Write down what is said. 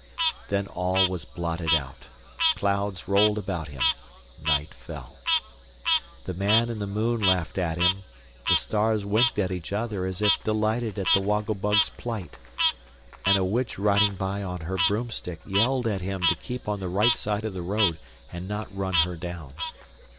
Then all was blotted out; clouds rolled about him; night fell. The man in the moon laughed at him; the stars winked at each other as if delighted at the Woggle Bug's plight, and a witch riding by on her broomstick yelled at him to keep on the right side of the road, and not run her down.